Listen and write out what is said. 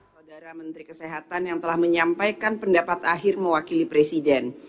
saudara menteri kesehatan yang telah menyampaikan pendapat akhir mewakili presiden